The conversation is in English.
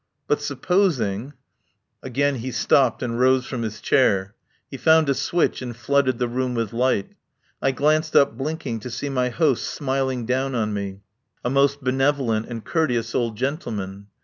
But sup posing " Again he stopped and rose from his chair. He found a switch and flooded the room with light. I glanced up blinking to see my host smiling down on me, a most benevolent and courteous old gentleman.